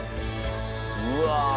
うわ。